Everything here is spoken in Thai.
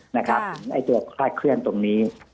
ตัวคลาดเคลื่อนตรงนี้